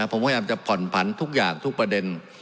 ผมพยายามจะผ่อนผันทุกอย่างทุกประเด็น